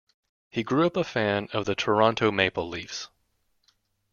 He grew up a fan of the Toronto Maple Leafs.